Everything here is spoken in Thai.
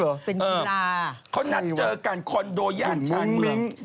เป็นกีฬาเขานัดเจอกันคอนโดย่านช้างมิ้ง